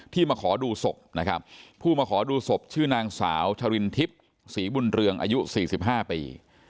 มาขอดูศพนะครับผู้มาขอดูศพชื่อนางสาวชรินทิพย์ศรีบุญเรืองอายุ๔๕ปี